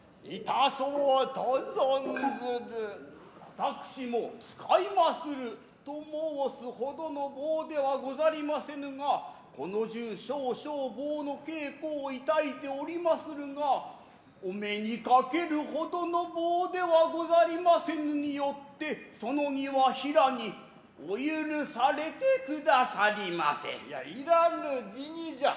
私も使いますると申す程の棒ではござりませぬがこの中少々棒の稽古を致いておりまするがお目に掛ける程の棒ではござりませぬによってその儀は平にお許されてくださりませ。イヤいらぬ辞宜じゃ。